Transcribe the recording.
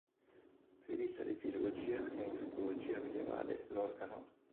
Rivista di filologia e musicologia medievale", "L'organo.